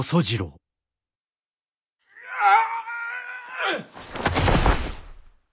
ああ。